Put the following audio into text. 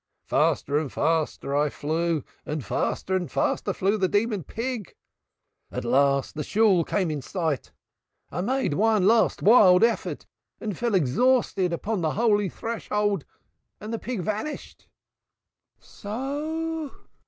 Faster and faster I flew and faster and faster flew the demon pig. At last the Shool came in sight. I made one last wild effort and fell exhausted upon the holy threshold and the pig vanished." "So?"